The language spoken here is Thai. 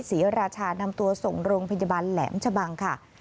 ศรีราชานำตัวส่งโรงพยาบาลแหลมชะบังค่ะ